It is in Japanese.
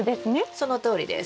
そのとおりです。